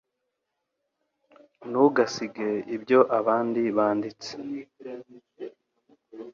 Ntugasibe ibyo abandi banditse